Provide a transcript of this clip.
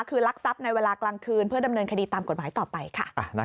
คือรักทรัพย์ในเวลากลางคืนเพื่อดำเนินคดีตามกฎหมายต่อไปค่ะ